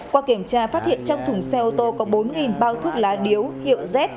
qua kiểm tra phát hiện trong thùng xe ô tô có bốn bao thuốc lá điếu hiệu z